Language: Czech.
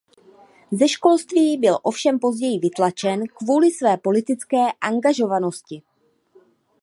Ze školství byl ovšem později vytlačen kvůli své politické angažovanosti.